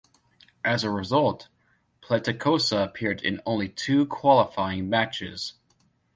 As a result, Pletikosa appeared in only two qualifying matches.